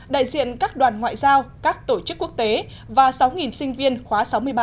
đại diện các đoàn ngoại giao các tổ chức quốc tế và sáu sinh viên khóa sáu mươi ba